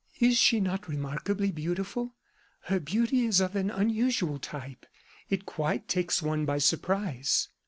"Is she not remarkably beautiful? Her beauty is of an unusual type, it quite takes one by surprise."